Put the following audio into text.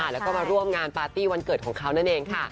แล้วก็มาร่วมงานปาร์ตี้วันเกิดของเขานั่นเองค่ะ